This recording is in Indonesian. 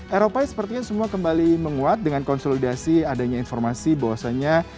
eropa sepertinya semua kembali menguat dengan konsolidasi adanya informasi bahwasannya